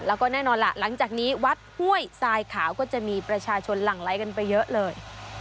แล้วก็แน่นอนล่ะหลังจากนี้วัดห้วยทรายขาวก็จะมีประชาชนหลั่งไลค์กันไปเยอะเลย